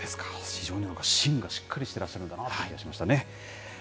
非常にしんがしっかりしてらっしゃるんだなという気がしましたね。